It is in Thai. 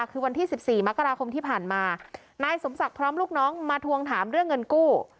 คือวันที่๑๔มกราคมที่ผ่านมานายสมศักดิ์พร้อมลูกน้องมาทวงถามเรื่องเงินกู้